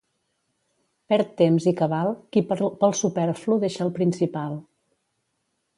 Perd temps i cabal qui pel superflu deixa el principal.